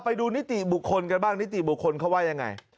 นิติบุคคลกันบ้างนิติบุคคลเขาว่ายังไง